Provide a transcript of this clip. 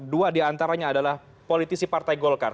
dua diantaranya adalah politisi partai golkar